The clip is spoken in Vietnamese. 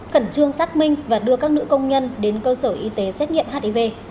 khẩn trương xác minh và đưa các nữ công nhân đến cơ sở y tế xét nghiệm hiv